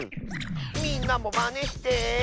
「みんなもまねして」